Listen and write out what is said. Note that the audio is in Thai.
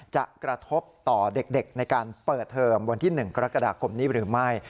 กระทบต่อเด็กในการเปิดเทอมวันที่๑กรกฎาคมนี้หรือไม่